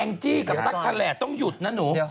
แองจี้กับตั๊กทะแหละต้องหยุดนะหนู